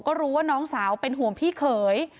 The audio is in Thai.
ก็รู้ว่าน้องสาวเป็นห่วงพี่เขย